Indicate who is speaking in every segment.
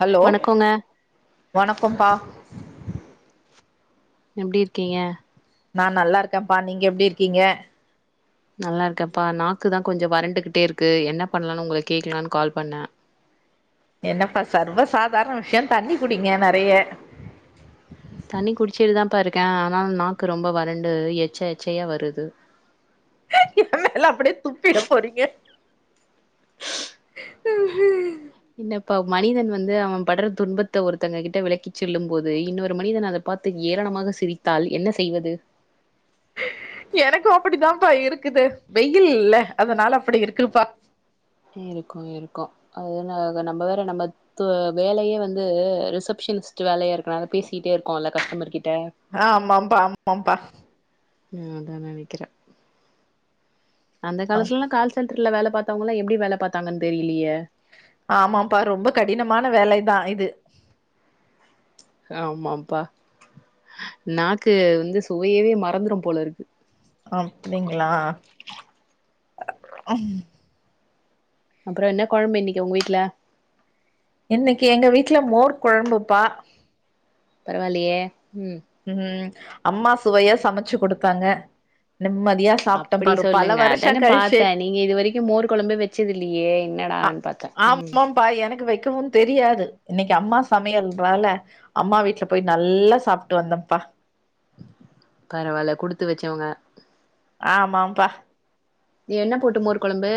Speaker 1: Hello
Speaker 2: வணக்கோங்க
Speaker 1: வணக்கம்ப்பா
Speaker 2: எப்டி இருக்கீங்க
Speaker 1: ந நல்லா இருக்கேன்ப்பா நீங்க எப்டி இருக்கீங்க
Speaker 2: நல்லாயிருக்கேன்ப்பா நாக்கு தா கொஞ்சோ வரண்டுக்கிட்டே இருக்கு என்ன பண்ணலானு உங்கள கேக்லானு கால் பண்ணே
Speaker 1: என்னப்பா சர்வசாதாரண விஷ்யோ தண்ணி குடிங்க நெறைய
Speaker 2: தண்ணி குடிச்சிட்டு தாம்ப்பா இருக்கே ஆனா நாக்கு ரொம்ப வறண்டு எச்ச எச்சையா வருது
Speaker 1: ஏமேல அப்டிய துப்பிட போறீங்க சேரி சேரி
Speaker 2: இன்னப்பா மனிதன் வந்து அவன் படற துன்பத்த ஒருத்தங்க கிட்ட விளக்கிச்செல்லும் போது இன்னொரு மனிதன் அத பாத்து ஏளனமாக சிரித்தால் என்ன செய்வது
Speaker 1: எனக்கு அப்படித்தான்ப்பா இருக்குது வெயில்ல அதனால அப்படி இருக்குப்பா
Speaker 2: இருக்கு இருக்கு அது இன்ன க நம்ம வேற நம்ப து வேலயே வந்து ரிசப்ஷனிஸ்டே வேலையா இருக்கனால பேசிக்கிட்டே இருக்கோல்ல கஸ்டமர் கிட்ட
Speaker 1: ஆ ஆமாம்பா ஆமாம்பா
Speaker 2: ம் அதா நெனைக்கிறே அந்த காலத்துலல்லா கால் சென்ட்ருல வேல பாத்தாங்வங்களா எப்டி வேல பாத்தாங்கன் தெரியலியே
Speaker 1: ஆமாம்பா ரொம்ப கடினமான வேலை தா இது
Speaker 2: ஆமாம்பா நாக்கு வந்து சுவையவே மறந்துரும் போலருக்கு
Speaker 1: அப்படிங்ளா ம்
Speaker 2: அப்புறோ என்ன கொழம்பு இன்னிக்கு உங்க வீட்ல
Speaker 1: இன்னிக்கு எங்க வீட்ல மோர் கொழம்புப்பா
Speaker 2: பரவால்லயே ம்
Speaker 1: ம் அம்மா சுவையா சமச்சு குடுத்தாங்க நிம்மதியா சாப்ட்டேன்ப்பா
Speaker 2: அப்படி
Speaker 1: ஒரு பல
Speaker 2: சொல்லுங்கா
Speaker 1: வருஷோ
Speaker 2: அதான
Speaker 1: கழிச்சு
Speaker 2: பாத்தே நீங்க இது வரிக்கு மோர் கொழம்பே வெச்சதில்லியே
Speaker 1: அ
Speaker 2: இன்னடான் பாத்தே ம்
Speaker 1: ஆமாம்பா எனக்கு வெக்கவு தெரியாது இன்னைக்கு அம்மா சமையல்றால அம்மா வீட்ல போய் நல்லா சாப்ட்டு வந்தம்ப்பா
Speaker 2: பரவால குடுத்து வெச்சவங்க
Speaker 1: ஆமாம்பா
Speaker 2: என்ன போட்டு மோர் கொழம்பு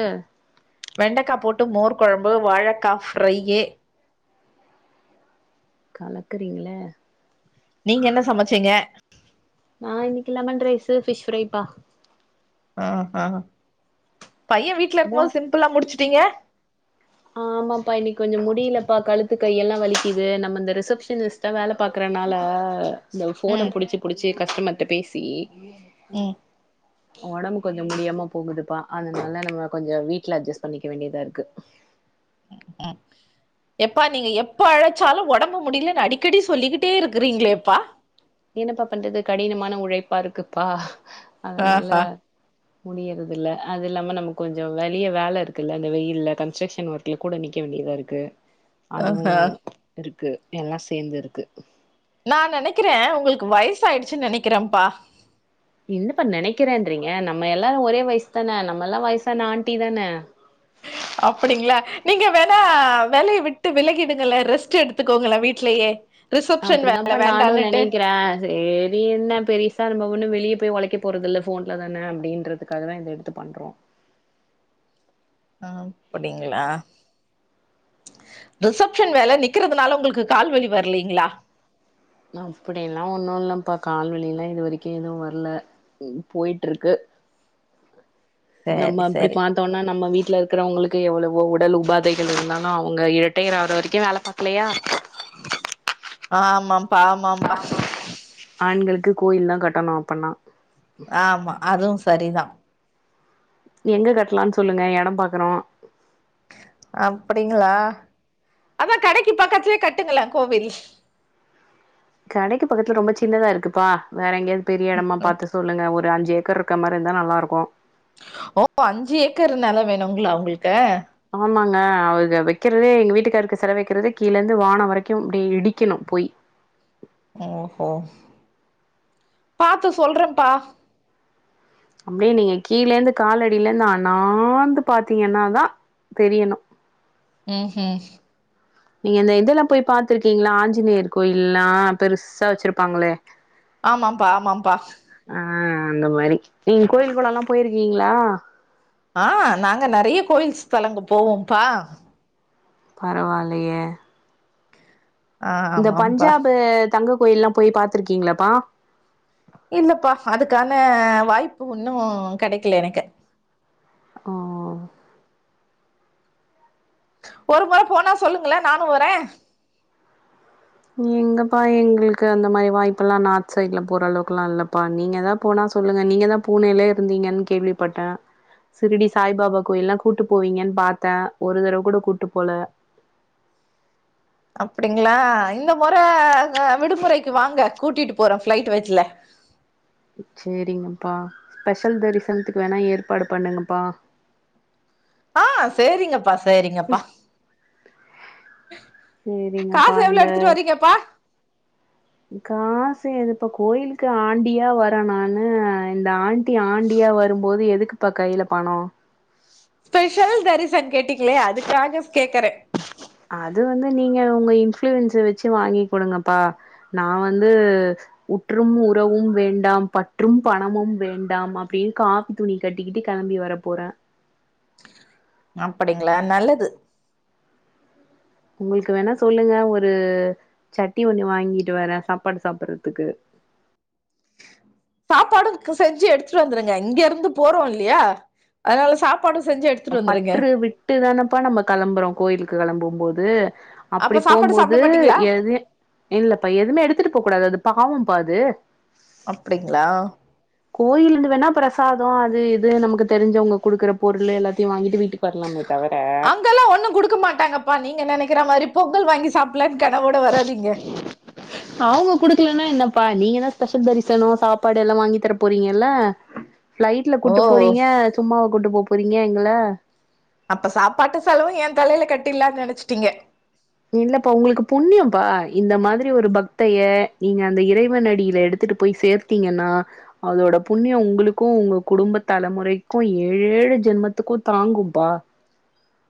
Speaker 1: வெண்டக்கா போட்டு மோர் கொழம்பு வாழக்கா ஃப்ரையி
Speaker 2: கலக்குறீங்களே
Speaker 1: நீங்க என்ன சமச்சீங்க
Speaker 2: நா இன்னைக்கு லெமண் ரைஸு ஃபிஷ் ஃப்ரைப்பா
Speaker 1: ஆ ஆ பைய வீட்ல இருக்கும்
Speaker 2: மோர்
Speaker 1: போது சிம்பிளா முடிச்சுட்டீங்க
Speaker 2: ஆமாப்பா இன்னிக் கொஞ்சோ முடியிலப்பா கழுத்து கையெல்லா வலிக்குது நம்ம இந்த ரிசப்ஷனிஸ் டா வேல பாக்கறனால இந்த ஃபோன
Speaker 1: ம்
Speaker 2: புடிச்சு புடிச்சு கஷ்டமர்ட்ட பேசி
Speaker 1: ம்
Speaker 2: ஒடம்பு கொஞ்சோ முடியாம போகுதுப்பா அதனால நம்ம கொஞ்சோ வீட்ல அட்ஜஸ் பண்ணிக்க வேண்டியதா இருக்கு
Speaker 1: ம் எப்பா நீங்க எப்ப அழைச்சாலு ஒடம்பு முடிலன் அடிக்கடி சொல்லிக்கிட்டே இருக்குறீங்களேப்பா
Speaker 2: என்னப்பா பண்றது கடினமான உழைப்பா இருக்குப்பா அதனால
Speaker 1: ஆஹா
Speaker 2: முடியறதில்ல அது இல்லாம நமக் கொஞ்சோ வெளிய வேல இருக்குல்ல இந்த வெயில்ல கன்ஸ்ட்ரக்ஷன் ஒர்க்ல கூட நிக்க வேண்டியதா இருக்கு அதுவு
Speaker 1: ஆஹா
Speaker 2: இருக்கு எல்லா சேந்திருக்கு
Speaker 1: நா நெனைக்கிறே உங்களுக்கு வயசாயிடுச்சுன் நெனைக்கிறேம்பா
Speaker 2: என்னப்பா நெனைக்கிறேன்றீங்க நம்ம எல்லாரு ஒரே வயசுதான நம்ம எல்லா வய்சான ஆண்டி தானே
Speaker 1: அப்டிங்களா நீங்க வேணா வேலைய விட்டு விலகிடுங்களே ரெஸ்ட் எடுத்துக்கோங்களே வீட்லேயே ரிசப்ஷன்
Speaker 2: அப்டிதான்ப்பா
Speaker 1: வேலை
Speaker 2: நானு
Speaker 1: வேண்டான்னுட்டு
Speaker 2: நெனைக்கிறே சேரி என்ன பெரிசா நம்ம ஒண்ணு வெளியே போய் ஒழைக்க போறதில்ல ஃபோன்ல தான அப்டின்றதுக்காக தா இத எடுத்து பண்றோ
Speaker 1: ஆ அப்டிங்ளா ரிசப்ஷன் வேல நிக்கறதுனால உங்களுக்கு கால் வலிவரலீங்ளா
Speaker 2: அப்படியெல்லா ஒன்னு இல்லப்பா கால்வலிலா இது வரைக்கு எது வரல போய்ட்ருக்கு
Speaker 1: சரி
Speaker 2: நம்ம அப்டி
Speaker 1: சரி.
Speaker 2: பா த்தோன்னா நம்ம வீட்ல இருக்கிறவங்களுக்கு எவ்வளவோ உடல் உபாதைகள் இருந்தாலு அவுங்க இரிட்டைர் ஆகற வரைக்கு வேல பாக்கலையா
Speaker 1: ஆமாப்பா ஆமாம்பா
Speaker 2: ஆண்களுக்கு கோயில் தா கட்டணு அப்பன்னா
Speaker 1: ஆமா அதுவு சரிதா
Speaker 2: எங்க கட்லான் சொல்லுங்க எடோ பாக்றோ
Speaker 1: அப்படிங்களா அதா கடைக்கு பக்கத்லே கட்டுங்களே கோவில்
Speaker 2: கடைக்கு பக்கத்துல ரொம்ப சின்னதா இருக்குப்பா வேற எங்கயாவது பெரிய எடமா பாத்து சொல்லுங்க ஒ ரு அஞ்சு ஏக்கர் ருக்க மாரி இருந்தா நல்லாருக்கு
Speaker 1: ஓ அஞ்சு ஏக்கர் நெலோ வேணுங்ளா உங்ளுக்கு
Speaker 2: ஆமாங்க அவுக வக்கிறதே எங்க வீட்டுக்காருக்கு செல வக்கறது கீழ இருந்து வானோ வரைக்கு அப்டி இடிக்கணு போய்
Speaker 1: ஓஹோ பாத்து சொல்றம்ப்பா
Speaker 2: அப்டியே நீங்க கீழே இந்து காலடிலந்து அனாந்து பாத்தீங்கன்னாதா தெரியணு
Speaker 1: ம் ம்
Speaker 2: நீங்க இந்த இதெல்லா போய் பாத்துருக்கீங்ளா ஆஞ்சநேயர் கோயில்லா பெருசா வச்சிருப்பாங்களே
Speaker 1: ஆமாப்பா ஆமாப்பா
Speaker 2: ஆ அந்த மாரி நீங்க கோயில் கொளலா போயிருக்கீங்ளா
Speaker 1: ஆ நாங்க நெறைய்ய கோயில் ஸ்தலங்கள் போவோம்பா
Speaker 2: பரவால்லயே
Speaker 1: ஆ
Speaker 2: இந்த
Speaker 1: ஆமாம்ப்பா
Speaker 2: பஞ்சாப்பு தங்க கோயில் எல்லா போய் பாத்திருக்கீங்களப்பா
Speaker 1: இல்லப்பா அதுக்கான வாய்ப்பு வுன்னு கெடைக்கல எனக்கு
Speaker 2: அ
Speaker 1: ஒரு முற போனா சொல்லுங்களே நானு வரே
Speaker 2: எங்கப்பா எங்களுக்கு அந்த மாரி வாய்ப்பெல்லா நார்த் சைட்ல போற அளவுக்கெல்லா இல்லப்பா நீங்கதா போனா சொல்லுங்க நீங்க தா பூனேலே இருந்தீங்கன் கேள்விப்பட்டே சிருடி சாய்பாபா கோயில்லா கூட்டு போவீங்கன் பாத்தே ஒரு தடவ கூட கூட்டு போல
Speaker 1: அப்டிங்களா இந்த முற க விடுமுறைக்கு வாங்க கூட்டிட்டு போறோ ஃபிளைட் வச்ல
Speaker 2: சேரிங்கப்பா ஸ்பெஷல் தரிசனத்துக்கு வேணா ஏற்பாடு பண்ணுங்கப்பா
Speaker 1: ஆ சேரிங்கப்பா சேரிங்கப்பா
Speaker 2: சேரிங்கப்பா
Speaker 1: காசு எவ்ளோ
Speaker 2: இந்த
Speaker 1: எடுத்துட்டு வரீங்கப்பா
Speaker 2: காசு ஏதுப்பா கோயிலுக்கு ஆண்டியா வரே நானு இந்த ஆ ண்ட்டி ஆண்டியா வரும்போது எதுக்குப்பா கைல பணோ
Speaker 1: ஸ்பெஷல் தரிசன் கேட்டீங்ளே அதுக்காக கேக்கறே
Speaker 2: அது வந்து நீங்க உங்க இன்ஃபுளுயன்ஸ்சு வெச்சி வாங்கி குடுங்கப்பா நா வந்து உற்றும் உறவும் வேண்டாம் பற்றும் பணமும் வேண்டாம் அப்டே காவி த்துணி கட்டிக்கிட்டு கெளம்பி வர போறே
Speaker 1: அப்படிங்ளா நல்லது
Speaker 2: உங்ளுக்கு வேணா சொல்லுங்க ஒரு சட்டி ஒண்ணு வாங்கிட்டு வரே சாப்பாடு சாப்பறதுக்கு
Speaker 1: சாப்பாடு க் செஞ்சு எடுத்துட்டு வந்துருங்க இங்கருந்து போறோ இல்லியா அதனால சாப்பாடு செஞ்சு எடு
Speaker 2: பற்று விட்டுதானப்பா நம்ம களம்பறோ கோயிலுக்கு களம்பு போது
Speaker 1: அப்ப
Speaker 2: அப்டி
Speaker 1: சாப்பாடு சாப்ட
Speaker 2: போம்போது
Speaker 1: மாட்டீங்களா
Speaker 2: எதை இல்லப்பா எதுமே எடுத்துட்டு போ கூடாது அது பாவப்பா அது
Speaker 1: அப்டிங்ளா
Speaker 2: கோயில்லிந்து வேணா பிரசாதோ அது இது நமக்கு தெரிஞ்சவங்க குடுக்குற பொருளு எல்லாத் தியோ வாங்கிட்டு வீட்டுக்கு வர்லாமே
Speaker 1: அங்கலா ஒண்ணு குடுக்க மாட்டாங்கப்பா நீங்க நெனைக்கிறா மாரி பொங்கல் வாங்கி சாப்புல்லா கனவோட வராதிங்க
Speaker 2: அவுங்க குடுக்லனா என்னப்பா நீங்க தா ஸ்பெஷல் தரிசனோ சாப்பாடெல்லா வாங்கி தர போறீங்கல்ல ப்ஃளைட்ல
Speaker 1: ஓ
Speaker 2: கூட்டு போறீங்க சும்மாவ கூட்டு போ போறீங்க எங்கள
Speaker 1: அப்ப சாப்பாட்டு செலவு எ தலையில கட்டில்லான்னு நெனச்சிட்டிங்க
Speaker 2: இல்லப்பா உங்ளுக்கு புண்ணியம்பா இந்த மாதிரி ஒரு பக்தைய நீங்க அந்த இறைவனடியில எடுத்துட்டு போய் சேர்த் தீங்கன்னா அதோட புண்ணியோ உங்களுக்கு உங்க குடும்ப தலமுறைக்கு ஏழேழு ஜென்மத்துகு தாங்கும்பா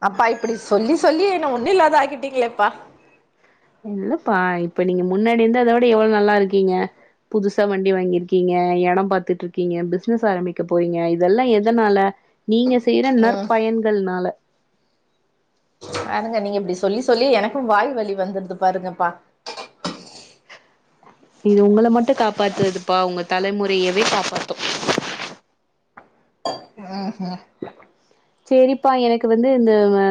Speaker 1: அப்பா இப்டி சொல்லி சொல்லி என்ன ஒண்ணு இல்லாத ஆக்கிட்டீங்ளேப்பா
Speaker 2: இல்லப்பா இப்ப நீங்க முன்னாடி இருந்தததோட எவ்ளோ நல்லாய்ருக்கீங்க புதுசா வண்டி வாங்கியிருக்கீங்க எடோ பாத்துட்ருக்கீங்க பிஸ்னஸ் ஆரம்பிக்க போறீங்க இதல்லா எதனால நீங்க செய்ற
Speaker 1: ம்
Speaker 2: நற்பயன்கள்னால
Speaker 1: பாருங்க நீங்க இப்டி சொல்லி சொல்லி எனக்கு வாய் வலி வந்துருது பாருங்கப்பா
Speaker 2: இது உங்கள மட்டு காப்பாத்துதுப்பா உங்க தலைமுறையவே காப்பாத்தோ
Speaker 1: ம் ஹ்ம்
Speaker 2: செரிப்பா எனக்கு வந்து இந்த ஆ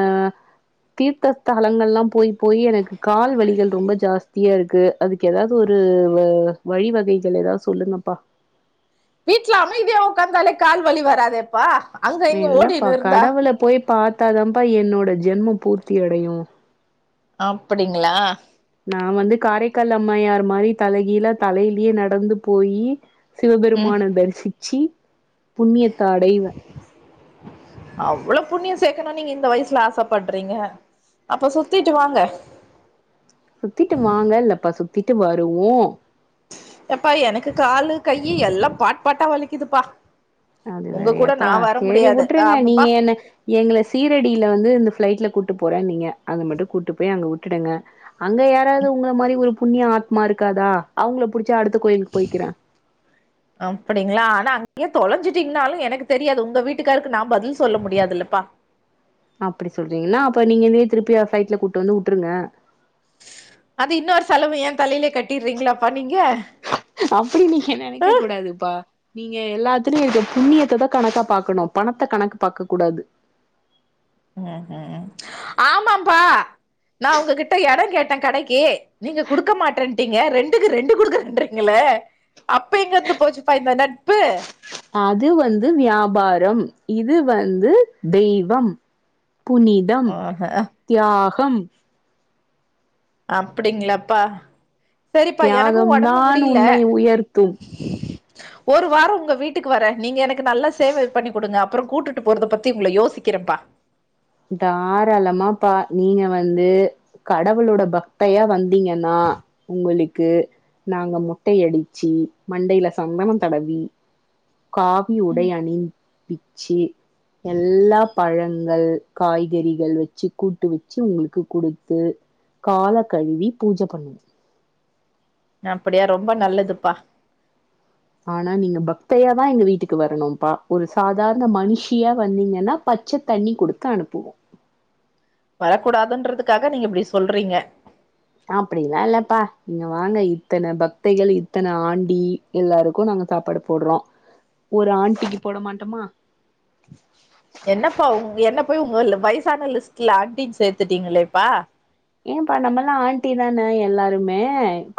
Speaker 2: தீர்த்த ஸ்தலங்கள்லா போய் போயி எனக்கு கால் வலிகள் ரொம்ப ஜாஸ்தியா இருக்கு அதுக்கு ஏதாவ்து ஒரு வ வழிவகைகள் ஏதாவ் சொல்லுங்கப்பா
Speaker 1: வீட்ல அமைதியா உக்காந்தாலே கால்வலி வராதேப்பா அங்க இங்க
Speaker 2: இல்லப்பா
Speaker 1: ஓடினு இருந்தா
Speaker 2: கடவுள போய் பாத்தாதாப்பா என்னோட ஜென்மோ பூர்த்தி அடையு
Speaker 1: அப்டிங்ளா
Speaker 2: நா வந்து காரைக்கால் அம்மையார் மாரி தலைகீழ தலையிலியே நடந்து போயி
Speaker 1: ம்
Speaker 2: சிவபெருமான தரிசிச்சி புண்ணியத்த அடைவே
Speaker 1: அவ்ளோ புண்ணியோ சேக்குணுனு நீங்க இந்த வயிஸ்ல ஆசப்பட்றீங்க அப்ப சுத்திட்டு வாங்க
Speaker 2: சுத்திட்டு வாங்கல்லப்பா சுத்திட்டு வருவோ
Speaker 1: எப்பா எனக்கு காலு கை எல்லா பாட் பாட்டா வலிக்குதுப்பா
Speaker 2: அது
Speaker 1: உங்க கூட
Speaker 2: வேறியாப்பா
Speaker 1: நா வர
Speaker 2: சேரி
Speaker 1: முடியாது
Speaker 2: உட்ருங்க
Speaker 1: ஆமாப்பா
Speaker 2: நீங்க என்ன எங்ள சீரடில வந்து இந்த ப்ஃளைட்ல கூட்டு போறேன்னிங்க அது மட்டு கூட்டு போய் அங்க உட்டுடுங்க அங்க யாராவ்து உங்கள மாரி ஒரு புண்ணிய ஆத்மா இருக்காதா அவுங்ள புடிச்சி அடுத்த கோயில்க்கு போய்க்கிறே
Speaker 1: அப்டிங்ளா ஆனா அங்கியே தொலஞ்சுடீங்னாலு எனக்கு தெரியாது உங்க வீட்டுக்காருக்கு நா பதில் சொல்ல முடியாதுல்லப்பா
Speaker 2: அப்டி சொல்றீங்கின்னா அப்ப நீங்கவே திருப்பியோ ப்ஃளைட்ல கூட்டு வந்து உட்ருங்க
Speaker 1: அது இன்னொரு செலவு ஏ தலையிலே கட்டிறீங்ளாப்பா நீங்க
Speaker 2: அப்டி நீங்க
Speaker 1: ஆ
Speaker 2: நெனைக்க கூடாதுப்பா நீங்க எல்லாத்தையு இத புண்ணியத்த தா கணக்கா பாக்கணு பணத்த கணக்கு பாக்க கூடாது
Speaker 1: ம் ம் ஆமாம்பா நா உங்ககிட்ட எடோ கேட்டே கடைக்கி நீங்க குடுக்க மாட்டன்ட்டீங்க ரெண்டுக்கு ரெண்டு குடுக்குறன்றீங்களே அப்ப எங்கிருந்து போச்சுப்பா இந்த நட்பு
Speaker 2: அது வந்து வியாபாரம் இது வந்து தெய்வம் புனிதம்
Speaker 1: ஆஹ
Speaker 2: தியாகம்
Speaker 1: அப்டிங்ளாப்பா
Speaker 2: தியாகம் தான் உன்னை உயர்த்தும்
Speaker 1: ஒரு வாரோ உங்க வீட்டுக்கு வரே நீங்க எனக்கு நல்ல சேவை பண்ணி குடுங்க அப்பறோ கூட்டுட்டு போறத பத்தி உங்கள யோசிக்கிறேப்பா
Speaker 2: தாராளமாப்பா நீங்க வந்து கடவுளுடைய பக்தையா வந்தீங்கன்னா உங்களுக்கு நாங்க மொட்டை அடிச்சி மண்டையில சந்தனம் தடவி காவி உடை அணிப்பிச்சு எல்லா பழங்கள் காய்கறிகள் வச்சு கூட்டு வச்சு உங்களுக்கு குடுத்து கால கழுவி பூஜ பண்ணுவோ
Speaker 1: அப்டியா ரொம்ப நல்லதுப்பா
Speaker 2: ஆனா நீங்க பக்தையாதா எங்க வீட்டுக்கு வரணும்ப்பா ஒரு சாதாரண மனுஷியா வந்தீங்கன்னா பச்சத்தண்ணி குடுத்து அனுப்புவோ
Speaker 1: வரக்கூடாதுன்றதுக்காக நீங்க இப்டி சொல்றீங்க
Speaker 2: அப்டில்லா இல்லப்பா நீங்க வாங்க இத்தனை பக்தைகள் இத்தன ஆண்டி எல்லாருக்கு நாங்க சாப்பாடு போடுறோ ஒரு ஆன்டிக்கு போட மாட்டோமா
Speaker 1: என்னப்பா உங்க என்ன போய் உங்க வயசான லிஸ்ட்ல ஆன்ட்டின்னு சேத்துட்டீங்களேப்பா
Speaker 2: ஏம்ப்பா நம்மளா ஆன்டி தான எல்லாருமே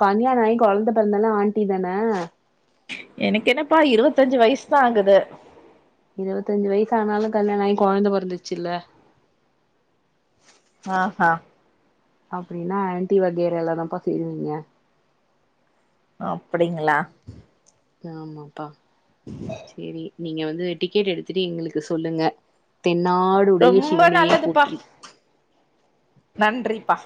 Speaker 2: கல்யாண ஆகி கொழந்த பெறந்தாள ஆன்டி தான
Speaker 1: எனக்கென்னப்பா இருபத்தஞ்சு வயசு தா ஆகுது
Speaker 2: இருபத்தஞ்சு வயசுனாலு கல்யாண ஆகி கொழந்த பெறந்துச்சுல்ல
Speaker 1: ஆ ஆ
Speaker 2: அப்டின்னா ஆன்டி வகையிரால்ல தாப்ப சேருவீங்க
Speaker 1: அப்டிங்ளா
Speaker 2: ஆமாப்பா சேரி நீங்க வந்து டிக்கெட் எடுத்துட்டு எங்களுக்கு சொல்லுங்க தென்னாடு
Speaker 1: ரொம்ப நல்லதுப்பா நன்றிப்பா